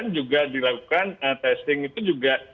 juga dilakukan testing itu juga